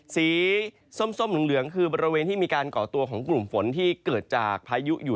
สีส้มเหลืองคือบริเวณที่มีการก่อตัวของกลุ่มฝนที่เกิดจากพายุอยู่